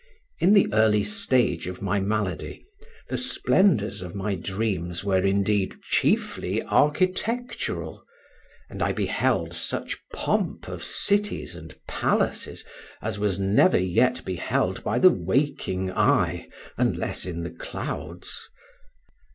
In the early stage of my malady the splendours of my dreams were indeed chiefly architectural; and I beheld such pomp of cities and palaces as was never yet beheld by the waking eye unless in the clouds.